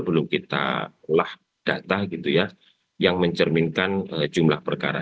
setalah data gitu ya yang mencerminkan jumlah perkara